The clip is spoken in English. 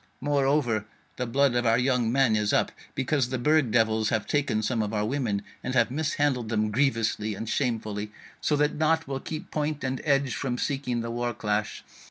Moreover, the blood of our young men is up, because the Burg devils have taken some of our women, and have mishandled them grievously and shamefully, so that naught will keep point and edge from seeking the war clash.